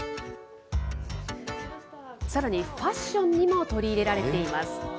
さらに、ファッションにも取り入れられています。